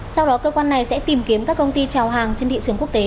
sau đó cơ quan này sẽ tìm kiếm các công ty trào hàng trên thị trường quốc tế